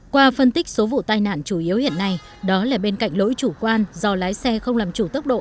qua phân tích số vụ tai nạn chủ yếu hiện nay đó là bên cạnh lỗi chủ quan do lái xe không làm chủ tốc độ